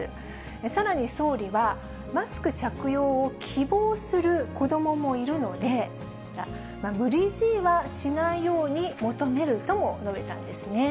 さらに総理は、マスク着用を希望する子どももいるので、無理強いはしないように求めるとも述べたんですね。